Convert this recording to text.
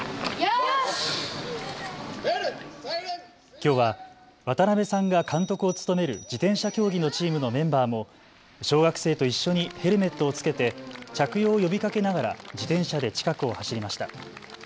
きょうは渡辺さんが監督を務める自転車競技のチームのメンバーも小学生と一緒にヘルメットを着けて着用を呼びかけながら自転車で近くを走りました。